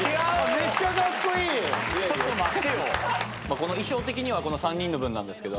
この衣装的には３人の分ですけど。